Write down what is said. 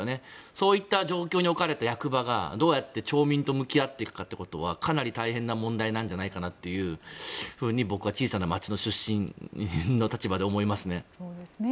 そういった状況に置かれた役場がどうやって町民と向き合っていくかは大変なんじゃないかと自分は小さな町の出身として思いますね。